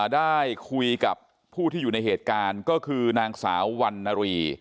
ได้คุยกับผู้ที่อยู่ในเหตุการณ์ก็คือนางสาววันนารี